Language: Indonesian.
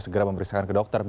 segera memeriksa ke dokter